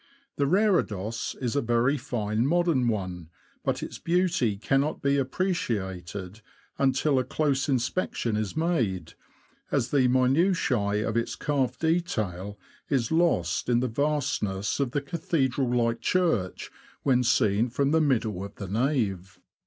The reredos is a very fine modern one, but its beauty cannot be appreciated until a close inspection is made, as the minutiae of its carved detail is lost in the vastness of the cathedral like church, when seen from the middle of the nave.